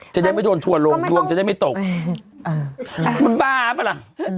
จะได้ไม่โดนทัวร์ลงดวงจะได้ไม่ตกมันบ้าป่ะล่ะ